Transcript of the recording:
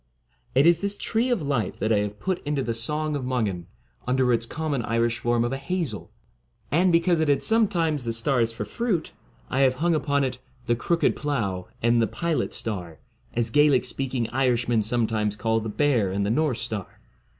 It is this Tree of Life that I have put into the ' Song of Mongan ' under its common Irish form of a hazel; and, because it had sometimes the 77 stars for fruit, I have hung upon it * the Crooked Plough ' and the ' Pilot ' star, as Gaelic speaking Irishmen sometimes call the Bear and the North star.